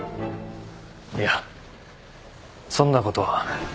いやそんなことは。